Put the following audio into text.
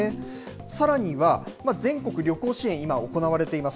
さらには、全国旅行支援、今、行われています。